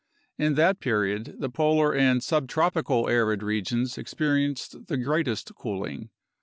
In that period the polar and subtropical arid regions experienced the greatest cooling.